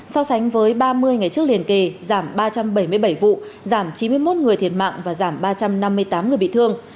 so sánh với ba mươi ngày trước liền kề giảm ba trăm bảy mươi bảy vụ giảm chín mươi một người thiệt mạng và giảm ba trăm năm mươi tám người bị thương